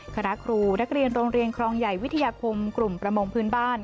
คณะครูนักเรียนโรงเรียนครองใหญ่วิทยาคมกลุ่มประมงพื้นบ้าน